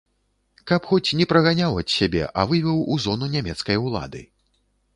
Каб хоць не праганяў ад сябе, а вывеў у зону нямецкай улады.